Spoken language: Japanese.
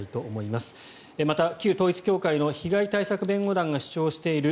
また、旧統一教会の被害対策弁護団が主張している